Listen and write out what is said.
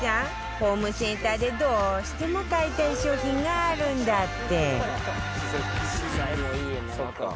ホームセンターでどうしても買いたい商品があるんだって